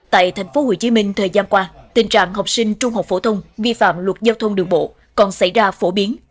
tại tp hcm thời gian qua tình trạng học sinh trung học phổ thông vi phạm luật giao thông đường bộ còn xảy ra phổ biến